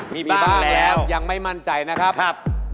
มีบ้างแล้วยังไม่มั่นใจนะครับครับมีบ้างแล้ว